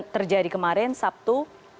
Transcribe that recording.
terjadi kemarin sabtu